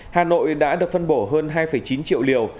hà nội đã được phân bổ hơn hai chín triệu liều